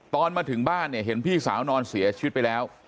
ตอนมาถึงบ้านเนี่ยเห็นพี่สาวนอนเสียชีวิตไปแล้ว